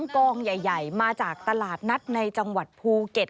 กองใหญ่มาจากตลาดนัดในจังหวัดภูเก็ต